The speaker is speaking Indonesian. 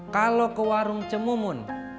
kalau ke warung cemumun